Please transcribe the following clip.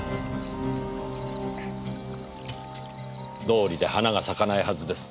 どうりで花が咲かないはずです。